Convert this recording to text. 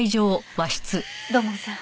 土門さん